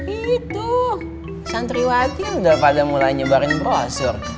itu santri wadil udah pada mulain nyebarin brosur